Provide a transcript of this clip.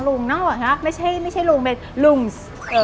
ลุงน่ะหรอฮะไม่ใช่ลุงเป็นลุงส์